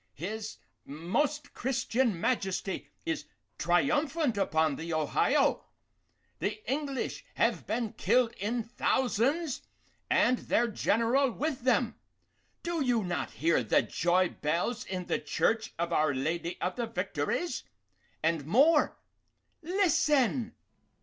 His most Christian Majesty is triumphant upon the Ohio. The English have been killed in thousands, and their General with them. Do you not hear the joy bells in the Church of Our Lady of the Victories? and more listen!"